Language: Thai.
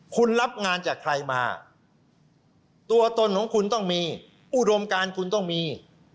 คุณรับงานจากใครมาตัวตนของคุณต้องมีอุดมการคุณต้องมี